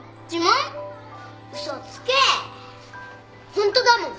ホントだもん。